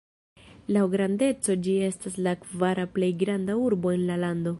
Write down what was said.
Laŭ grandeco ĝi estas la kvara plej granda urbo en la lando.